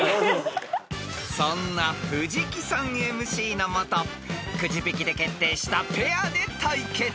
［そんな藤木さんＭＣの下くじ引きで決定したペアで対決］